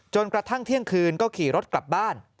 กระทั่งเที่ยงคืนก็ขี่รถกลับบ้าน